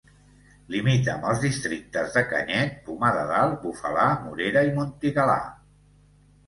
Limita amb els districtes de Canyet, Pomar de Dalt, Bufalà, Morera i Montigalà.